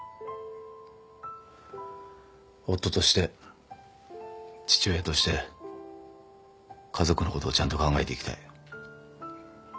夫として父親として家族のことをちゃんと考えていきたい。